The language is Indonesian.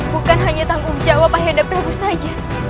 bukan hanya tanggung jawab ayah dan prabu saja